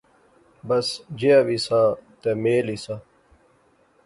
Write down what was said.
بس جیا وی سا تہ میل ایہہ سا